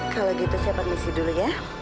kalau gitu siapa permisi dulu ya